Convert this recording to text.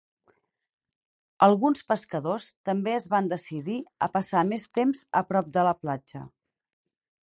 Alguns pescadors també es van decidir a passar més temps a prop de la platja.